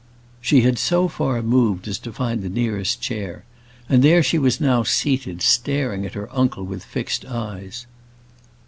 She had so far moved as to find the nearest chair, and there she was now seated, staring at her uncle with fixed eyes.